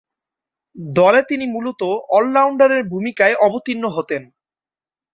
দলে তিনি মূলতঃ অল-রাউন্ডারের ভূমিকায় অবতীর্ণ হতেন।